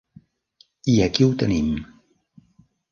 I aquí ho tenim.